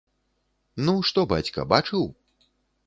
Ну, што бацька, бачыў?